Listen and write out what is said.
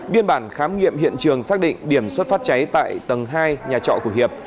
biên bản khám nghiệm hiện trường xác định điểm xuất phát cháy tại tầng hai nhà trọ của hiệp